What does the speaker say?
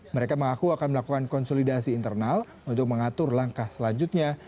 mereka mengaku akan melakukan konsolidasi internal untuk mengatur langkah selanjutnya